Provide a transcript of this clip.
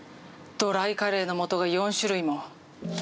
ドライカレーの素が４種類も。